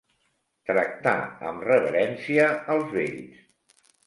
Tractar amb reverència els vells.